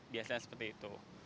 biasanya seperti itu